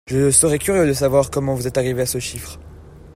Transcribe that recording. Je serais curieux de savoir comment vous êtes arrivé à ce chiffre